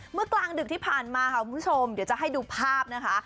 กลางดึกที่ผ่านมาค่ะคุณผู้ชมเดี๋ยวจะให้ดูภาพนะคะ